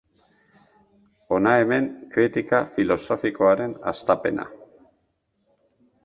Hona hemen kritika filosofikoaren hastapena.